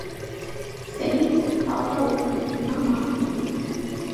სელიმს ჰყავდა უფროსი ძმა, მაჰმუდი.